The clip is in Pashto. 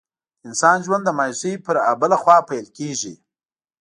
د انسان ژوند د مایوسۍ پر آبله خوا پیل کېږي.